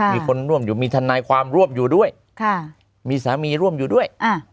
มีคนร่วมอยู่มีทนายความร่วมอยู่ด้วยมีสามีร่วมอยู่ด้วย